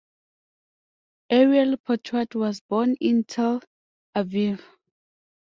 Ariel Porat was born in Tel Aviv.